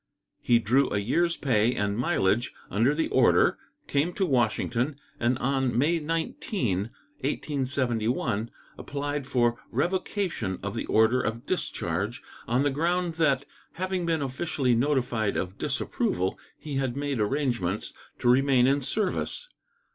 He drew a year's pay and mileage under the order, came to Washington, and on May 19, 1871, applied for revocation of the order of discharge on the ground that, having been officially notified of disapproval, he had made arrangements to remain in service.